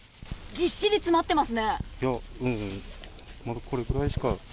ぎっしり詰まってます。